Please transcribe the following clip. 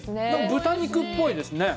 豚肉っぽいですね。